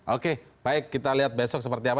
oke baik kita lihat besok seperti apa